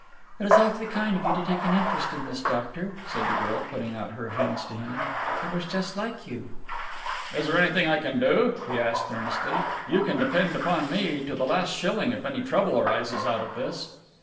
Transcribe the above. "It is awfully kind of you to take this interest, doctor," said the girl, putting out her hands to him, "it was just like you." "Is there anything I can do?" he asked earnestly. "You can depend upon me to the last shilling if any trouble arises out of this."